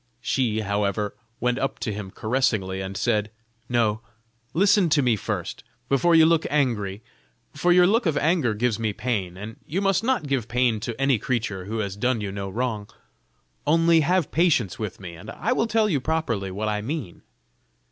She, however, went up to him caressingly, and said: "No! listen to me first, before you look angry, for your look of anger gives me pain, and you must not give pain to any creature who has done you no wrong only have patience with me, and I will tell you properly what I mean."